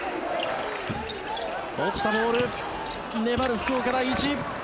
落ちたボール、粘る福岡第一。